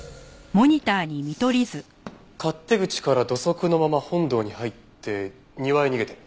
勝手口から土足のまま本堂に入って庭へ逃げてる。